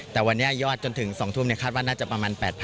แต่วันนี้ยอดจนถึง๒ทุ่มคาดว่าน่าจะประมาณ๘๐๐